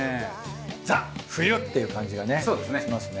ザ冬っていう感じがねしますね。